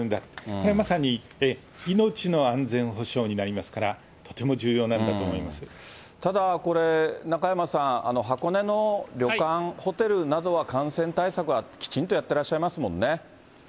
これは、まさに命の安全保障になりますから、ただ、これ、中山さん、箱根の旅館、ホテルなどは、感染対策はきちんとやってらっしゃいますもんね。